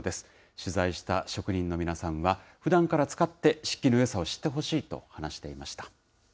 取材した職人の皆さんは、ふだんから使って、漆器のよさを知ってほしいと話していました。